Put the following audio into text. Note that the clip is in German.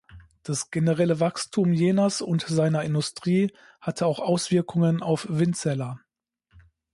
Das generelle Wachstum Jenas und seiner Industrie hatte auch Auswirkungen auf Winzerla.